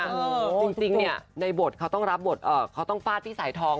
จริงเนี่ยในบทเขาต้องรับบทเขาต้องฟาดพี่สายทอง